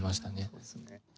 そうですね。